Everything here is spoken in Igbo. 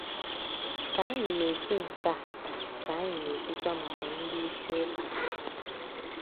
Ka anyị na-ekwu nke a ka anyị na-ekwukwa maka ndịisi ụka